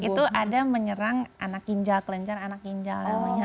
itu ada menyerang anak kinjal kelenjar anak kinjal